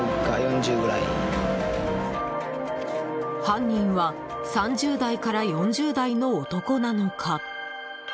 犯人は３０代から４０代の男なのか。